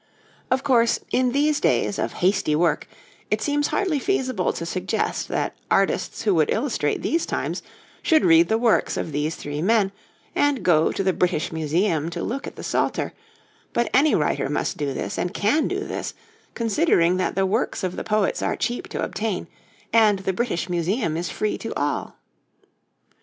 Of course, in these days of hasty work, it seems hardly feasible to suggest that artists who would illustrate these times should read the works of these three men, and go to the British Museum to look at the Psalter; but any writer must do this, and can do this, considering that the works of the poets are cheap to obtain and the British Museum is free to all.